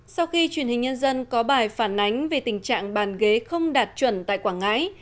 sau khi truyền hình nhân dân có bài phản ánh về tình trạng bàn ghế không đạt chuẩn tại quảng ngãi